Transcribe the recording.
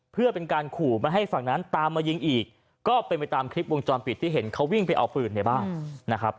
เพื่อเป็นการขู่ไม่ให้ฝั่งนั้นตามมายิงอีกก็เป็นไปตามคลิปวงจรปิดที่เห็นเขาวิ่งไปเอาปืนในบ้านนะครับ